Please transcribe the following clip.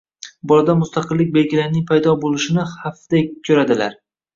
bolada mustaqillik belgilarining paydo bo‘lishini havfdek ko'radilar.